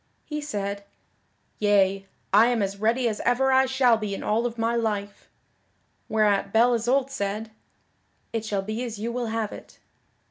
He said, "Yea, I am as ready as ever I shall be in all of my life." Whereat Belle Isoult said, "It shall be as you will have it."